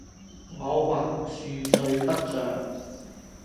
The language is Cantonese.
我橫豎睡不着，